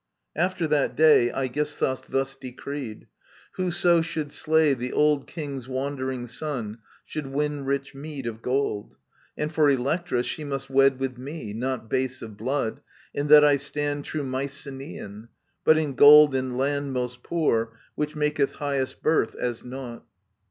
After that day Aegisthus thus decreed : whoso should slay The old king's wandering son, should win rich meed Of gold ; and for Electra, she must wed With me, not base of blood — in that I stand True Mycenaean — but in gold and land Most poor, which maketh highest birth as naught.